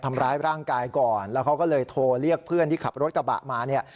ทำร้ายร่างกายก่อนแล้วเขาก็เลยโทรเรียกเพื่อนที่ขับรถกระบะมาเนี่ย